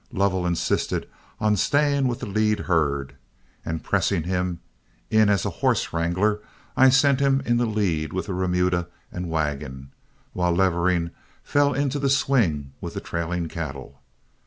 Lovell insisted on staying with the lead herd, and pressing him in as horse wrangler, I sent him in the lead with the remuda and wagon, while Levering fell into the swing with the trailing cattle.